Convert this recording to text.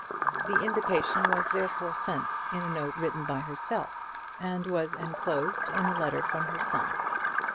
The invitation was therefore sent in a note written by herself, and was enclosed in a letter from her son.